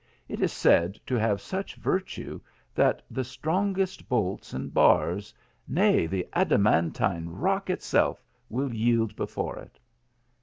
It is said to have such virtue that the strongest bolts and bars, nay the adamantine rock itself will yield before it."